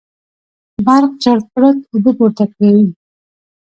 برق چړت چړت اوبه پورته کوي.